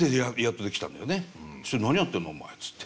「何やってんの？お前」っつって。